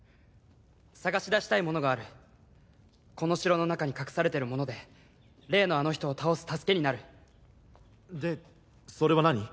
探し出したいものがあるこの城の中に隠されてるもので例のあの人を倒す助けになるでそれは何？